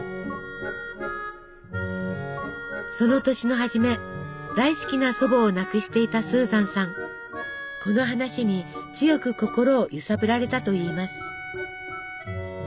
その年の初め大好きな祖母を亡くしていたこの話に強く心を揺さぶられたといいます。